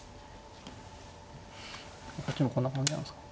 こっちもこんな感じなんですか。